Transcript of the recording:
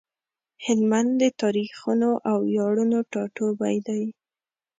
هلمند د تاريخونو او وياړونو ټاټوبی دی۔